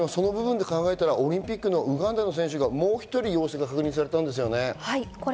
オリンピックのウガンダの選手がもう一人、陽性が確認されたんですよね？